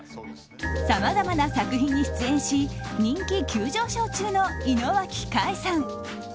さまざまな作品に出演し人気急上昇中の井之脇海さん。